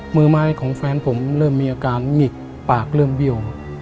มือไม้ของแฟนผมเริ่มมีอาการหงิกปากเริ่มเบี้ยว